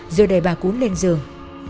rồi để bà cún lên giường